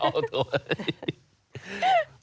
เอาโทษ